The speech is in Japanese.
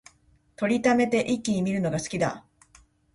録りためて一気に観るのが好きだ